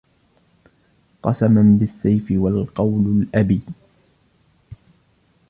قسما بالسيف والقول الأبي